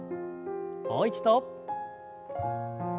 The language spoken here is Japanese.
もう一度。